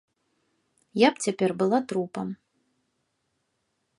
Я б цяпер была трупам.